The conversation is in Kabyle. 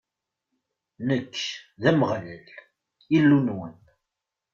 Nekk, d Ameɣlal, Illu-nwen.